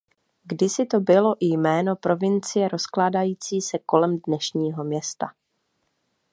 Kdysi to bylo i jméno provincie rozkládající se kolem dnešního města.